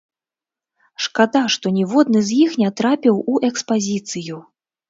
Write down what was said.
Шкада, што ніводны з іх не трапіў у экспазіцыю.